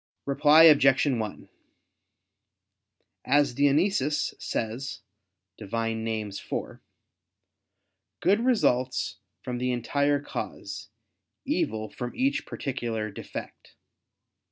Reply Obj. 1: As Dionysius says (Div. Nom. iv), "good results from the entire cause, evil from each particular defect."